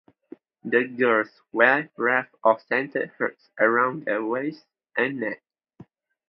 The girls wear wreaths of scented herbs around the waist and neck.